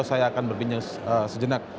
saya akan berbincang sejenak